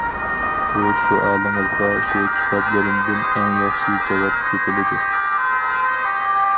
بۇ سوئالىڭىزغا شۇ كىتابلىرىمدىن ئەڭ ياخشى جاۋاب تېپىلىدۇ.